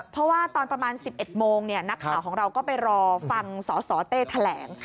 เพราะว่าตอนประมาณ๑๑โมงนักข่าวของเราก็ไปรอฟังสสเต้แถลง